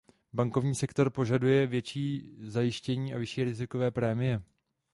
Bankovní sektor požaduje větší zajištění a vyšší rizikové prémie.